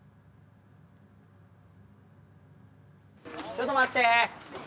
ちょっと待って！